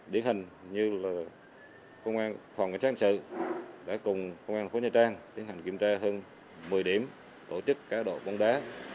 điển hình như là phòng cảnh sát hình sự đã cùng công an thành phố nha trang tiến hành kiểm tra hơn một mươi điểm tổ chức cá đội bóng đá